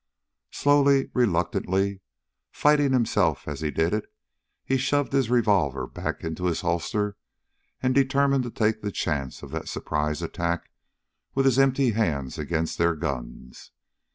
Slowly, reluctantly, fighting himself as he did it, he shoved his revolver back into his holster and determined to take the chance of that surprise attack, with his empty hands against their guns.